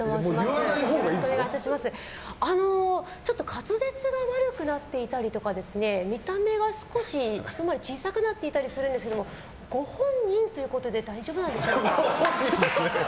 滑舌が悪くなっていたりとか見た目が少しひと回り小さくなっていたりするんですけどご本人ということで本人ですね。